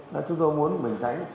nên chúng tôi muốn mình tránh